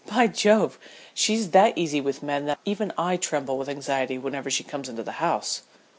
By Jove! she's that easy with men that even I tremble with anxiety whenever she comes into the house."